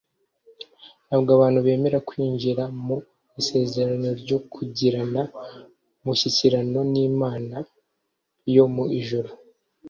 ntabwo abantu bemera kwinjira mu isezerano ryo kugirana umushyikirano n’imana yo mu ijuru